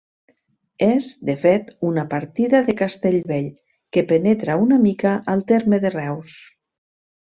És, de fet, una partida de Castellvell que penetra una mica al terme de Reus.